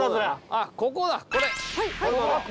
あっここだこれ。